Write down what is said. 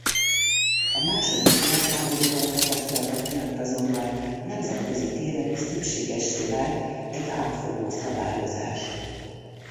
A második világháborúban tapasztaltak miatt azonban nemzetközi téren is szükségessé vált egy átfogó szabályozás.